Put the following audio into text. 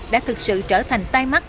đã thực sự trở thành tay mắt